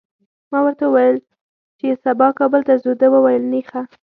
ما ورته وویل چي سبا کابل ته ځو، ده وویل نېخه!